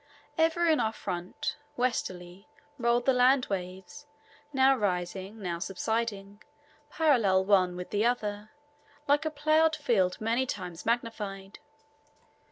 Ever in our front westerly rolled the land waves, now rising, now subsiding, parallel one with the other, like a ploughed field many times magnified.